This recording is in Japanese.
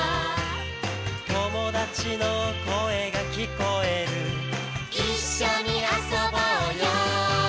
「友達の声が聞こえる」「一緒に遊ぼうよ」